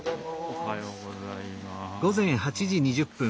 おはようございます。